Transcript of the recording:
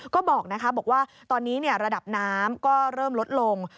ก็บอกว่าตอนนี้ระดับน้ำก็เริ่มลดลง